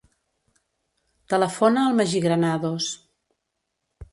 Telefona al Magí Granados.